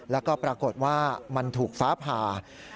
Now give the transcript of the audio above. แล้วก็ปรากฏว่ามันถูกฟ้าผ่า